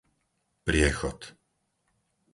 Priechod